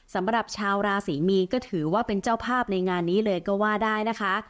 สำหรับชาวราศรีมีนก็ถือว่าเป็นเจ้าภาพในงานนี้เลยก็ว่าได้นะคะ